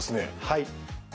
はい。